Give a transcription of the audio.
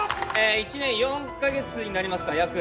１年４か月になりますか約。